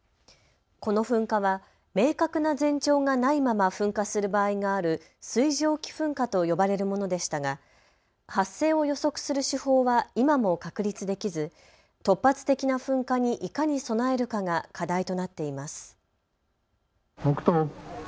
この噴火は明確な前兆がないまま噴火する場合がある水蒸気噴火と呼ばれるものでしたが発生を予測する手法は今も確立できず突発的な噴火にいかに備えるかが課題となっています。